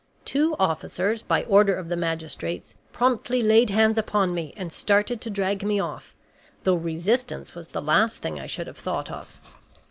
Two officers, by order of the magistrates, promptly laid hands upon me, and started to drag me off, though resistance was the last thing I should have thought of.